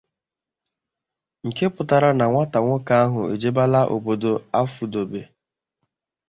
nke pụtara na nwata nwoke ahụ ejebela obodo afụdobe